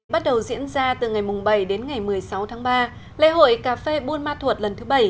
bắt đầu diễn ra từ ngày bảy đến ngày một mươi sáu tháng ba lễ hội cà phê buôn ma thuột lần thứ bảy